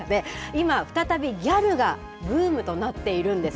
今、再びギャルがブームとなっているんです。